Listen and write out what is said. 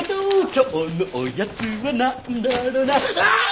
「今日のおやつはなんだろな」ああーっ！？